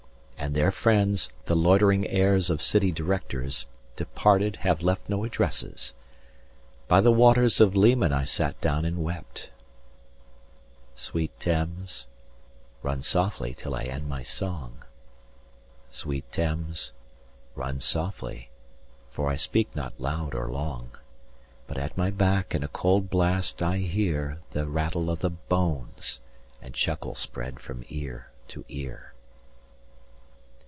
And their friends, the loitering heirs of city directors; 180 Departed, have left no addresses. By the waters of Leman I sat down and wept… Sweet Thames, run softly till I end my song, Sweet Thames, run softly, for I speak not loud or long. But at my back in a cold blast I hear 185 The rattle of the bones, and chuckle spread from ear to ear.